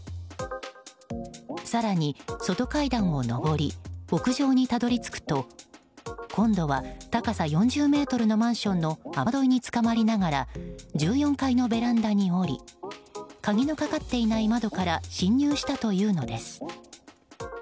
更に、外階段を上り屋上にたどり着くと今度は高さ４０ｍのマンションの雨どいにつかまりながら１４階のベランダに降り鍵のかかっていない窓から侵入したというのです。